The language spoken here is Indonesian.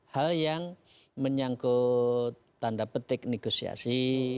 hal yang menyangkut tanda petik negosiasi